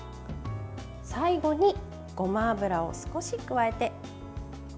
最後に、ごま油を少し加えて。